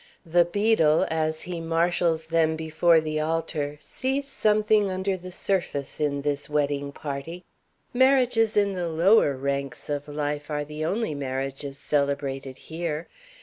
The beadle, as he marshals them before the altar, sees something under the surface in this wedding party. Marriages in the lower ranks of life are the only marriages celebrated here.